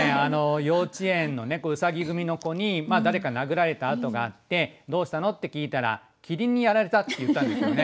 幼稚園のうさぎ組の子に誰か殴られた痕があって「どうしたの？」って聞いたら「きりんにやられた」って言ったんですよね。